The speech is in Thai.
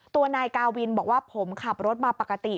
ตัวนายกาวินบอกว่าผมขับรถมาปกติ